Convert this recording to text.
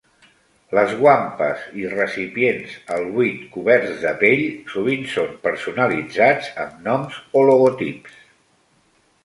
Les guampas i recipients al buit coberts de pell, sovint són personalitzats amb noms o logotips.